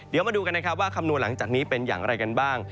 เดี๋ยวมาดูกันนะครับว่าคำนวณหลังจากนี้เป็นอย่างไรกันบ้าง